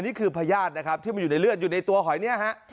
พญาตินะครับที่มันอยู่ในเลือดอยู่ในตัวหอยเนี่ยฮะ